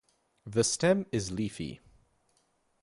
The stem is leafy.